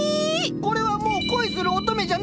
これはもう恋する乙女じゃない。